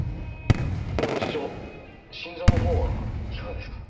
あの社長心臓の方はいかがですか？